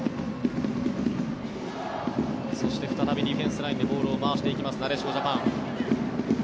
そして再びディフェンスラインでボールを回していくなでしこジャパン。